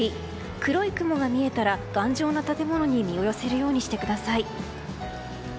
黒い雲が見えたら頑丈な建物に身を寄せるようにしてください。